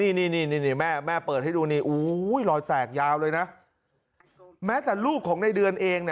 นี่แม่เปิดให้ดูนี่รอยแตกยาวเลยนะแม้แต่ลูกของในเดือนเอง